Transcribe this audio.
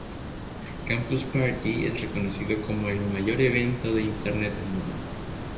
Campus Party es reconocido como ""el mayor evento de internet del mundo"".